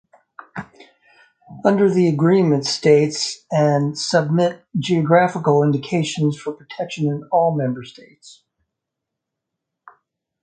Under the agreement states an submit geographical indications for protection in all member states.